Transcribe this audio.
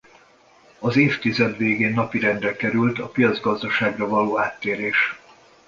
Az évtized végén napirendre került a piacgazdaságra való áttérés.